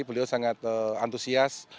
beliau sangat antusias